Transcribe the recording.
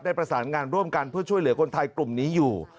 ประสานงานร่วมกันเพื่อช่วยเหลือคนไทยกลุ่มนี้อยู่